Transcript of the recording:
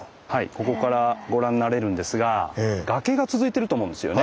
ここからご覧になれるんですが崖が続いてると思うんですよね。